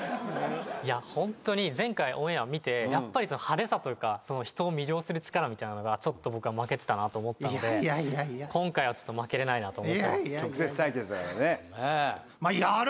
いやホントに前回オンエア見てやっぱり派手さというか人を魅了する力みたいなのがちょっと僕は負けてたなと思ったので今回は負けれないなと思ってます。